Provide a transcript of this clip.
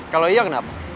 kalau iya kenapa